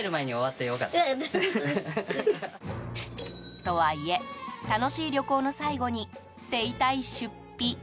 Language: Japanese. とはいえ楽しい旅行の最後に手痛い出費。